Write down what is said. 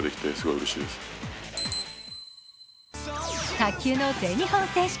卓球の全日本選手権。